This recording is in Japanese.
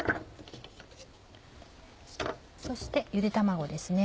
そしてゆで卵です。